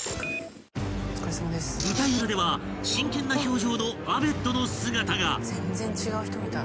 ［舞台裏では真剣な表情のアメッドの姿が］